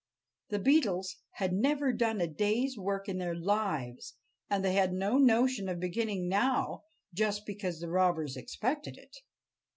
The Beetles had never done a day's work in their lives, and they had no notion of beginning now, just because the robbers expected it.